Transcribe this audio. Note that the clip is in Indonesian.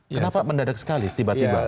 kenapa mendadak sekali tiba tiba